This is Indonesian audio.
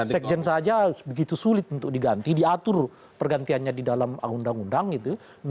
sekjen saja begitu sulit untuk diganti diatur pergantiannya di dalam undang undang gitu